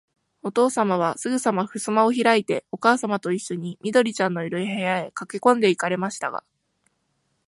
おとうさまは、すぐさまふすまをひらいて、おかあさまといっしょに、緑ちゃんのいる、部屋へかけこんで行かれましたが、